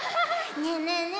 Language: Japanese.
ねえねえねえ